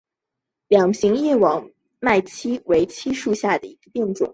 两型叶网脉槭为槭树科槭属下的一个变种。